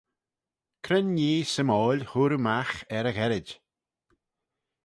Cre'n nhee symoil hooar oo magh er y gherrid?